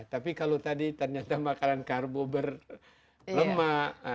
tapi kalau tadi ternyata makanan karbo berlemak